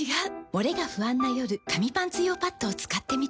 モレが不安な夜紙パンツ用パッドを使ってみた。